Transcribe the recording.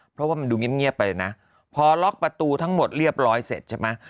เพราะว่ามันดูเงียบไปเลยนะพอล็อกประตูทั้งหมดเรียบร้อยเสร็จใช่ไหม